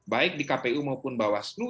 baik di kpu maupun bawaslu